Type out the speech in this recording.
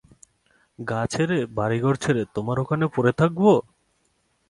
গাঁ ছেড়ে বাড়িঘর ছেড়ে তোমার ওখানে পড়ে থাকব?